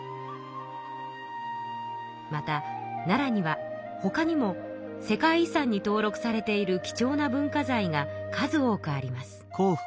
また奈良にはほかにも世界遺産に登録されている貴重な文化財が数多くあります。